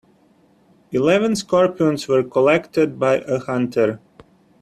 Eleven scorpions were collected by a hunter.